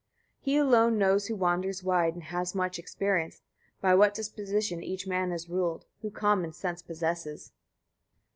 18. He alone knows who wanders wide, and has much experienced, by what disposition each man is ruled, who common sense possesses.